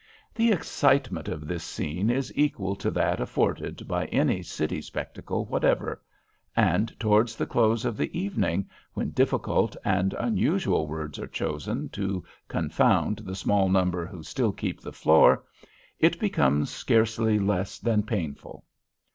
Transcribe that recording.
The excitement of this scene is equal to that afforded by any city spectacle whatever; and towards the close of the evening, when difficult and unusual words are chosen to confound the small number who still keep the floor, it becomes scarcely less than painful.